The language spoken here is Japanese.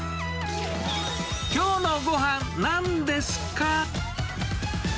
きょうのご飯、なんですか？